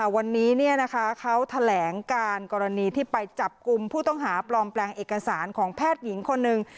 วันนี้เขาแถลงการกรณีที่ไปจับกลุ่มผู้ต้องหาปลอมแปลงเอกสารของแพทย์หญิงคนหนึ่ง